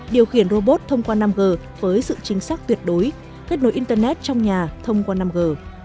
điều khiển robot thông qua năm g với sự chính xác tuyệt đối kết nối internet trong nhà thông qua năm g